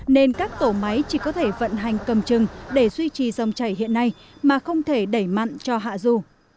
nên các tổ máy chỉ có thể vận hành cầm chừng để duy trì dòng chảy hiện nay mà không thể đẩy mặn cho hạ dù